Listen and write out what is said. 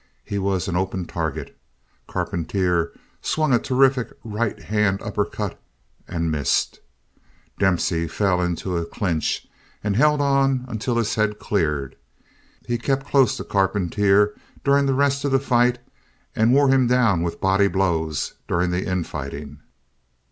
He was an open target. Carpentier swung a terrific right hand uppercut and missed. Dempsey fell into a clinch and held on until his head cleared. He kept close to Carpentier during the rest of the fight and wore him down with body blows during the infighting.